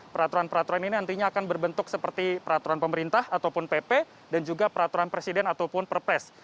peraturan peraturan ini nantinya akan berbentuk seperti peraturan pemerintah ataupun pp dan juga peraturan presiden ataupun perpres